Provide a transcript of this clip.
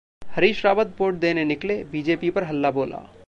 Harish Rawat vote देने निकले, BJP पर हल्ला बोला...